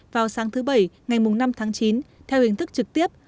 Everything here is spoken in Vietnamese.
vào sáng thứ bảy ngày năm tháng chín theo hình thức trực tiếp